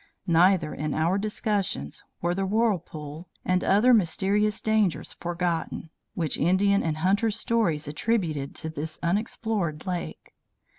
Neither, in our discussions, were the whirlpool and other mysterious dangers forgotten, which Indian and hunter's stories attributed to this unexplored lake.